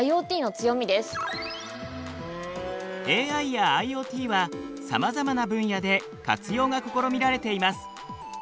ＡＩやＩｏＴはさまざまな分野で活用が試みられています。